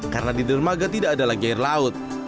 karena di dermaga tidak ada lagi air laut